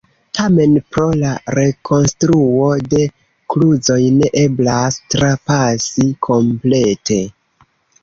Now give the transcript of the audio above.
Tamen pro la rekonstruo de kluzoj ne eblas trapasi komplete.